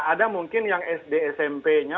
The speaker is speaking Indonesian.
ada mungkin yang sd smp nya